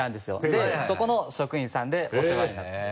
でそこの職員さんでお世話になってる。